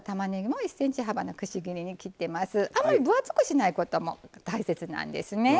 あんまり分厚くしないことも大切なんですね。